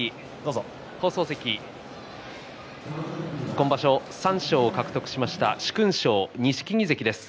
今場所、三賞を獲得しました殊勲賞の錦木関です。